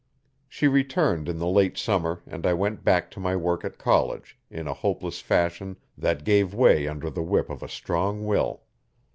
She returned in the late summer and I went back to my work at college in a hopeless fashion that gave way under the whip of a strong will.